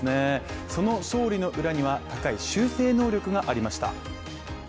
その勝利の裏には、高い修正能力がありました。